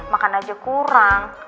makan aja kurang